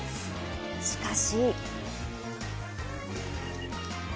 しかし。